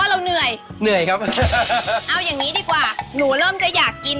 วันหนึ่งอ่ะขายได้ถึง๓๐๐จานเลยไหม